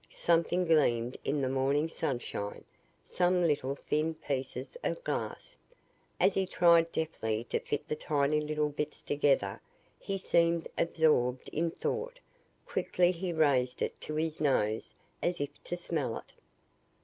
Something gleamed in the morning sunshine some little thin pieces of glass. As he tried deftly to fit the tiny little bits together, he seemed absorbed in thought. Quickly he raised it to his nose, as if to smell it.